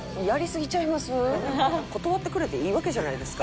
断ってくれていいわけじゃないですか？